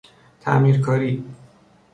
تعمیرکاری